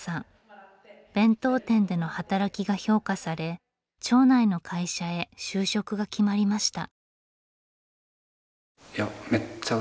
弁当店での働きが評価され町内の会社へ就職が決まりました。